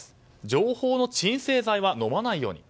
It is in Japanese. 情報の鎮静剤は飲まないように。